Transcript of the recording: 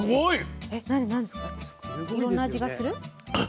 いろんな味がする？